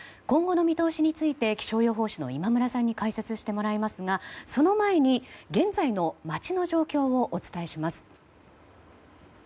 今後の見通しについて気象予報士の今村さんに解説してもらいますがその前に現在の街の状況をお伝えします。